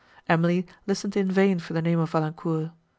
Emily listened in vain for the name of Valancourt.